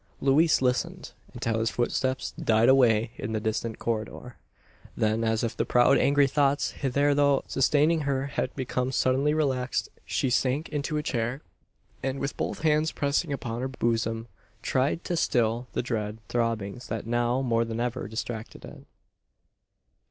Louise listened, until his footsteps died away in the distant corridor. Then, as if the proud angry thoughts hitherto sustaining her had become suddenly relaxed, she sank into a chair; and, with both hands pressing upon her bosom, tried to still the dread throbbings that now, more than ever, distracted it.